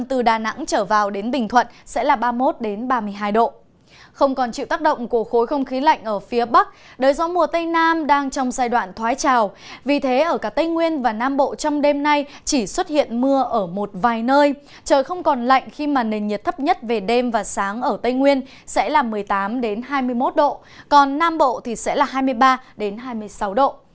trời không còn lạnh khi mà nền nhiệt thấp nhất về đêm và sáng ở tây nguyên sẽ là một mươi tám hai mươi một độ còn nam bộ thì sẽ là hai mươi ba hai mươi sáu độ